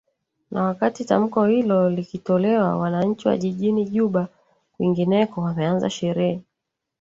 na wakati tamko hilo likitolewa wananchi wa jijini juba kwingineko wameanza sherehe